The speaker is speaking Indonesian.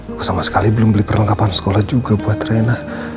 aku sama sekali belum beli perlengkapan sekolah juga buat reina